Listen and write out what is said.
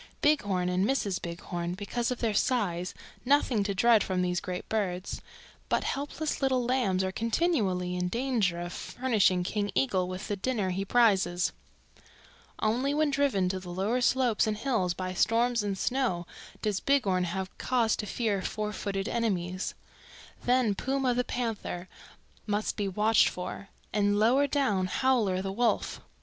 Bighorn and Mrs. Bighorn, because of their size, nothing to dread from these great birds, but helpless little lambs are continually in danger of furnishing King Eagle with the dinner he prizes. "Only when driven to the lower slopes and hills by storms and snow does Bighorn have cause to fear four footed enemies. Then Puma the Panther must be watched for, and lower down Howler the Wolf.